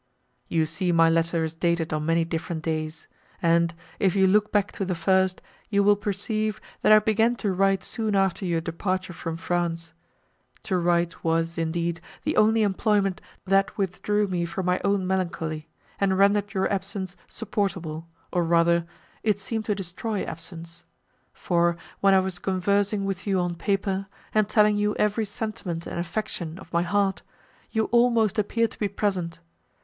"You see my letter is dated on many different days, and, if you look back to the first, you will perceive, that I began to write soon after your departure from France. To write was, indeed, the only employment that withdrew me from my own melancholy, and rendered your absence supportable, or rather, it seemed to destroy absence; for, when I was conversing with you on paper, and telling you every sentiment and affection of my heart, you almost appeared to be present.